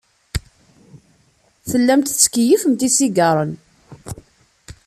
Tellamt tettkeyyifemt isigaṛen.